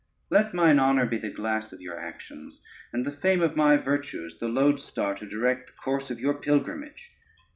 Let mine honor be the glass of your actions, and the fame of my virtues the lodestar to direct the course of your pilgrimage.